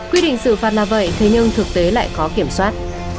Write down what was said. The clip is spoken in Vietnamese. quy định xử phạt là vậy thế nhưng thực tế lại khó kiểm soát